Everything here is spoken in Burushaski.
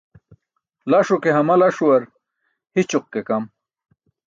Laṣo ke hama-laaṣuwar hi̇ćoq ke kam.